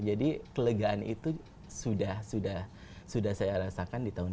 jadi kelegaan itu sudah sudah sudah saya rasakan di tahun dua ribu lima belas